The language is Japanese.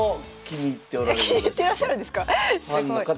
気に入ってらっしゃるんですか？